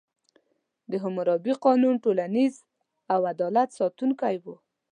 د حموربي قانون ټولنیز او عدالت ساتونکی و.